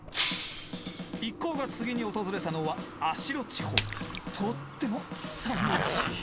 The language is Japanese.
一行が次に訪れたのはとっても寒いらしい。